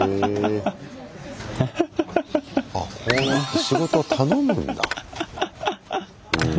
あこうやって仕事を頼むんだ。